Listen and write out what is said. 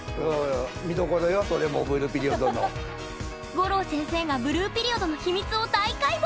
五郎先生が「ブルーピリオド」の秘密を大解剖。